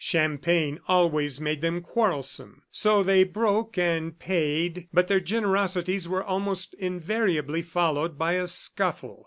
Champagne always made them quarrelsome. So they broke and paid, but their generosities were almost invariably followed by a scuffle.